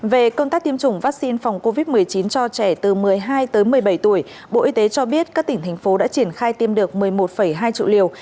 về công tác tiêm chủng vaccine phòng covid một mươi chín cho trẻ từ một mươi hai tới một mươi bảy tuổi bộ y tế cho biết các tỉnh thành phố đã triển khai tiêm được một mươi một hai triệu liều